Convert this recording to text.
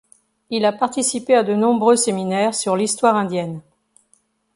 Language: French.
Il a participé à de nombreux séminaires sur l'Histoire indienne.